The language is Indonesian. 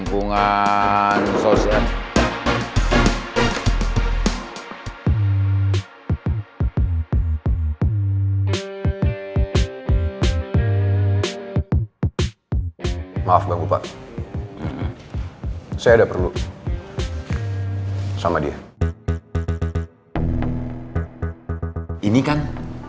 kamu boleh keluar sebentar